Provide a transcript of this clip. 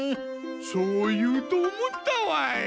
そう言うと思ったわい。